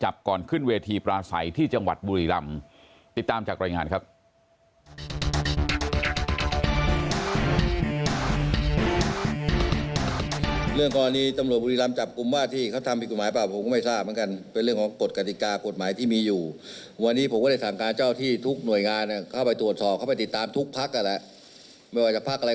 เพื่อไทยถูกจับก่อนขึ้นเวทีปราศัยที่จังหวัดบุรีรัมพ์